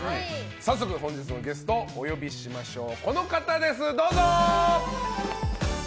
早速本日のゲストお呼びしましょう。